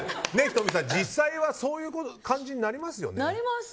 仁美さん、実際はそういう感じになりますね。